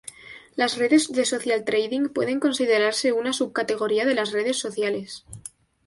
Las redes de social trading pueden considerarse una subcategoría de las redes sociales.